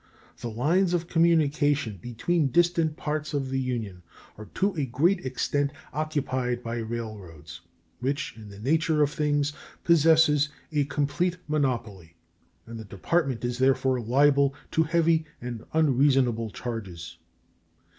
The lines of communication between distant parts of the Union are to a great extent occupied by railroads, which, in the nature of things, possess a complete monopoly, and the Department is therefore liable to heavy and unreasonable charges.